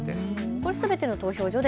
これ、すべての投票所で？